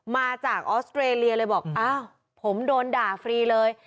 มาจากออสเตรเลียเลยบอกอ้าวผมโดนด่าฟรีเลย